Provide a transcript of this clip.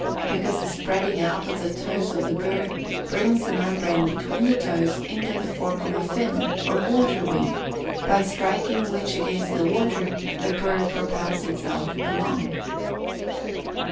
_ Because the spreading out of the toes of the bird brings the membrane between the toes into the form of a fin, or water wing, by striking which against the water, the bird propels itself along.